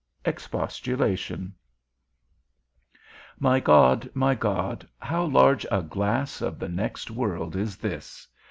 XXI. EXPOSTULATION. My God, my God, how large a glass of the next world is this!